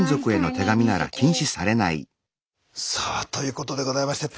さあということでございまして。